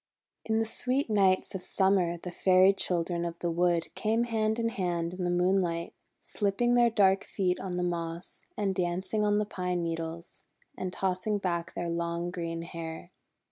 In the sweet nights of Summer the Fairy Chil dren of the Wood came hand in hand in the moonlight, slipping their dark feet on the moss, and dancing on the pine needles, and tossing back their long green hair.